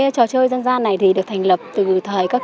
trò chơi dân gian này được thành lập từ thời các